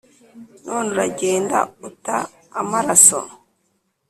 none uraagenda uta amaraso